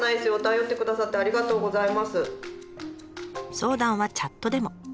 相談はチャットでも。